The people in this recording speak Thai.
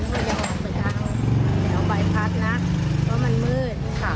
ก็ยอมไปเอาแต่เอาใบพัดนักเพราะมันมืดค่ะ